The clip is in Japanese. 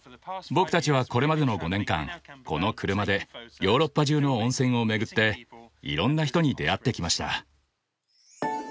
僕たちはこれまでの５年間この車でヨーロッパ中の温泉を巡っていろんな人に出会ってきました。